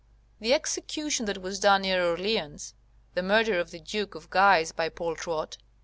The execution that was done near Orleans [The murder of the Duke of Guise by Poltrot.